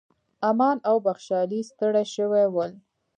امان او بخشالۍ ستړي شوي ول.